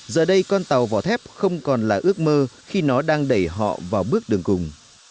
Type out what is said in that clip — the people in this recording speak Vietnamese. giờ đây con tàu vỏ thép không còn là ước mơ khi nó đang đẩy họ vào bước đường cùng